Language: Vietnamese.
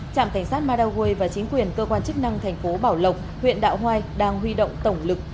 trạm cảnh sát madaway và chính quyền cơ quan chức năng thành phố bảo lộc huyện đạo hoai đang huy động tổng lực